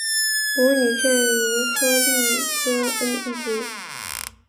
魔女阵营荷丽歌恩一族